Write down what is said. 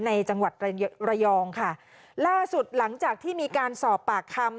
ในจังหวัดระยองค่ะล่าสุดหลังจากที่มีการสอบปากคำ